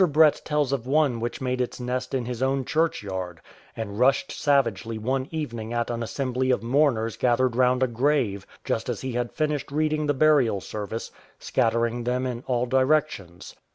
Brett tells of one which made its nest in his own churchyard, and rushed savagely one evening at an assembly of mourners gathered round a grave, just after he had finished reading the burial service, scattering them in all directions.